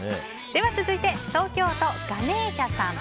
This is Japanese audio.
続いて、東京都の方。